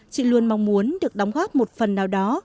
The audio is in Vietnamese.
chị luôn mong muốn được đóng góp một phần nào đó